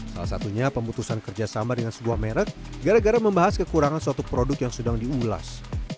salah satunya pemutusan kerjasama dengan sebuah merek gara gara membahas kekurangan suatu produk yang sedang diulas